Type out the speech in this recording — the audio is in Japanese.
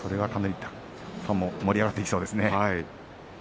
ファンも盛り上がっていきそうですね。